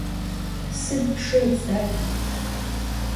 Sıd pşşı ıts'er?